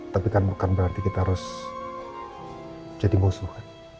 tapi kan bukan berarti kita harus jadi musuhan